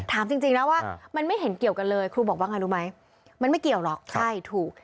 ถามจริงนะว่ามันไม่เห็นเกี่ยวกันเลยครูบอกว่าไงรู้ไหมมันไม่เกี่ยวหรอกใช่ถูก